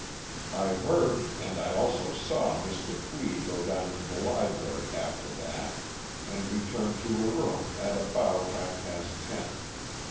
I heard and I also saw Miss Dupuy go down to the library after that, and return to her room about half past ten.